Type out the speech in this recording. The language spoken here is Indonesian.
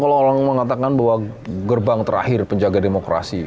kalau orang mengatakan bahwa gerbang terakhir penjaga demokrasi